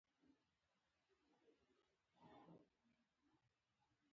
له پېښور څخه د کتابونو چاپولو لپاره لاهور ته تللی وم.